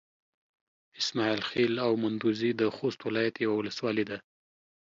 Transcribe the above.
اسماعيل خېل او مندوزي د خوست ولايت يوه ولسوالي ده.